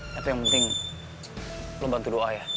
tapi yang penting lo bantu doa ya